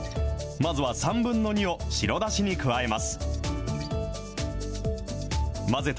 まずは３分の２を白だしに加えます。